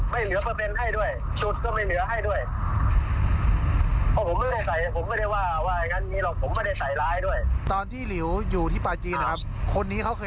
พี่รูไฟแหลนครับตอนที่หลิวอยู่ที่ป่าจีนคนนี้เขาเคย